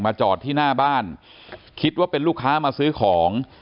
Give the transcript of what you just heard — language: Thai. จอดที่หน้าบ้านคิดว่าเป็นลูกค้ามาซื้อของ